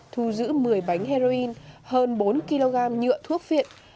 thu giữ một mươi bánh heroin hơn bốn kg nhựa thuốc viện